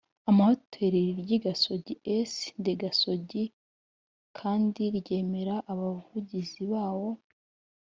amahoteli ry i gasogi es th gasogi kandi ryemera abavugizi bawo